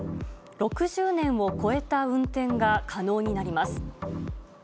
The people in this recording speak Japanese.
６０年を超えた運転が可能になります。